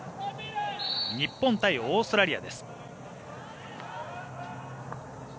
日本対オーストラリアです。